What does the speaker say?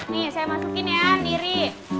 nih saya masukin ya niri